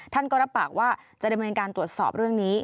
ท่านก็รับปากว่าจะดำเนินการตรวจสอบเรื่องนี้